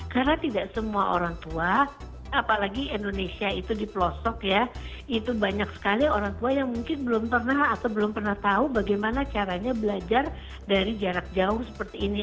karena tidak semua orang tua apalagi indonesia itu di pelosok ya itu banyak sekali orang tua yang mungkin belum pernah atau belum pernah tahu bagaimana caranya belajar dari jarak jauh seperti ini